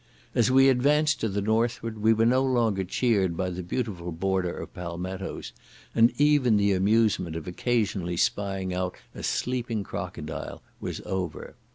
As we advanced to the northward we were no longer cheered by the beautiful border of palmettos; and even the amusement of occasionally spying out a sleeping crocodile was over.